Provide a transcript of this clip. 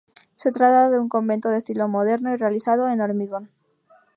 Se trata de un convento de estilo moderno, y realizado en hormigón.